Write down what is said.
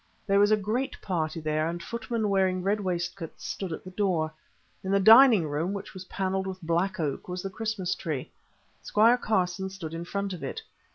There was a great party there, and footmen wearing red waistcoats stood at the door. In the dining room, which was panelled with black oak, was the Christmas tree. Squire Carson stood in front of it.